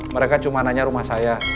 mereka cuma nanya rumah saya